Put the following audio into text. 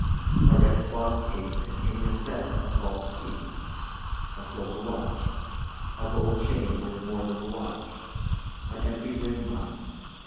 A red cloth case containing a set of false teeth. A silver watch. A gold chain worth more than the watch. An empty ring box.